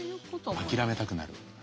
諦めたくなる。